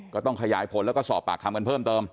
ก็ต้องขยายผลแล้วก็สอบปากคำกันเพิ่มเติม